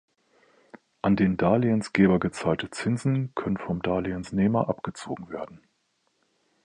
An den Darlehensgeber gezahlte Zinsen können vom Darlehensnehmer abgezogen werden.